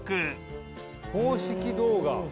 公式動画。